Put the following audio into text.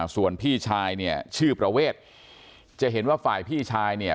ส่วนพี่ชายเนี่ยชื่อประเวทจะเห็นว่าฝ่ายพี่ชายเนี่ย